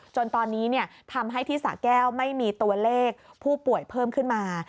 จนตอนนี้ทำให้ที่สะแก้วไม่มีตัวเลขผู้ป่วยเพิ่มขึ้นมา